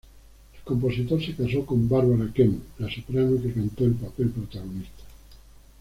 El compositor se casó con Barbara Kemp, la soprano que cantó el papel protagonista.